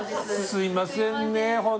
すいません